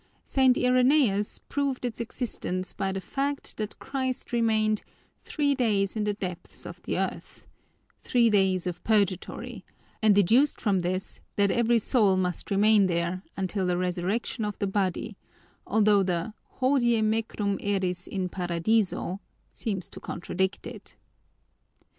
St. Irenaeus proved its existence by the fact that Christ remained 'three days in the depths of the earth,' three days of purgatory, and deduced from this that every soul must remain there until the resurrection of the body, although the 'Hodie mecum eris in Paradiso' seems to contradict it.